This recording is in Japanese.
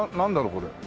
これ。